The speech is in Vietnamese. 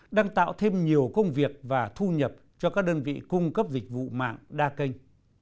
đang tạo thêm nhiều công việc và thu nhập cho các đơn vị cung cấp dịch vụ mạng đa kênh